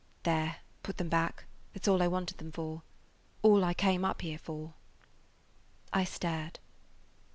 "There, put them back. That 's all I wanted them for. All I came up here for." I stared.